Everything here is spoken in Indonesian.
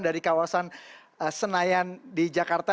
dari kawasan senayan di jakarta